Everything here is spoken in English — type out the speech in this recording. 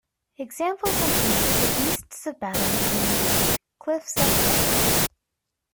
Examples include the "Beasts of Battle" and the "Cliffs of Death".